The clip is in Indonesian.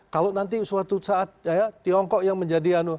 kalau nanti suatu saat tiongkok yang menjadi